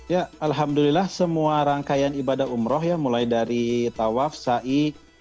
ya alhamdulillah semua rangkaian ibadah umroh ya mulai dari tawaf sa'i